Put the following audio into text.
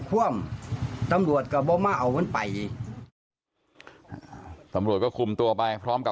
ท่วมตำรวจก็บอกมาเอามันไปตำรวจก็คุมตัวไปพร้อมกับ